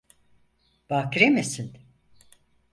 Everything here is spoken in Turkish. Bakire misin?